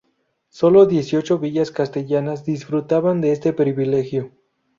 Sólo dieciocho villas castellanas disfrutaban de este privilegio.